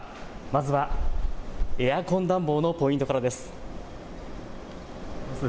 まずはエアコン暖房のポイントからです。